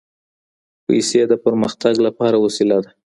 پيسې د پرمختګ لپاره وسيله ده.